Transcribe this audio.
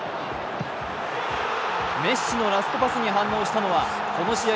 メッシのラストパスに反応したのはこの試合